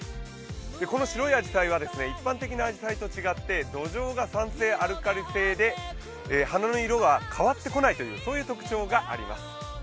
この白いあじさいは一般的なあじさいと違って、土壌が酸性・アルカリ性で花の色が変わってこないという特徴があります。